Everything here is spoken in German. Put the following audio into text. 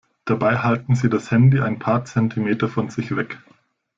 Dabei halten sie das Handy ein paar Zentimeter von sich weg.